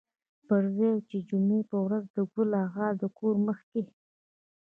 پر ځای و چې د جمعې په ورځ د ګل اغا د کور مخکې.